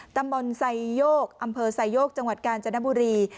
ตำบลไซโยกอำเภอไซโยกจังหวัดกาญจนบุรี